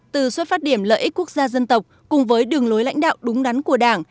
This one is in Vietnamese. từ xuất phát điểm lợi ích quốc gia dân tộc cùng với đường lối lãnh đạo đúng đắn của đảng